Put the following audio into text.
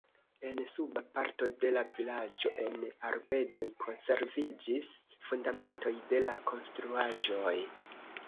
En suba parto de la vilaĝo en arbedoj konserviĝis fundamentoj de konstruaĵoj.